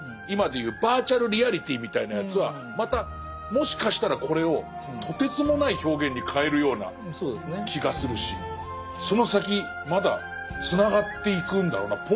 今でいうバーチャルリアリティーみたいなやつはまたもしかしたらこれをとてつもない表現に変えるような気がするしその先まだつながっていくんだろうな。